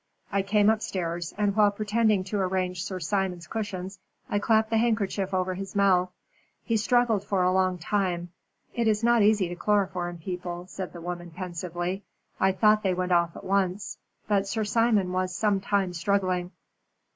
I came upstairs, and while pretending to arrange Sir Simon's cushions, I clapped the handkerchief over his mouth. He struggled for a long time. It is not easy to chloroform people," said the woman, pensively. "I thought they went off at once, but Sir Simon was some time struggling."